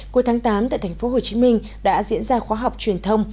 cuối tháng tám tại thành phố hồ chí minh đã diễn ra khóa học truyền thông